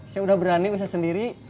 saya udah berani usaha sendiri